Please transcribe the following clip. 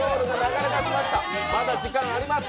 まだ時間あります。